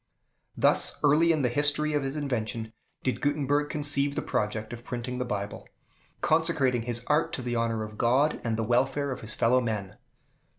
Thus early in the history of his invention did Gutenberg conceive the project of printing the Bible; consecrating his art to the honor of God, and the welfare of his fellow men.